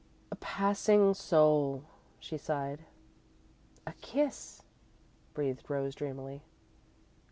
"A passing soul," she sighed. "A kiss," breathed Rose, dreamily.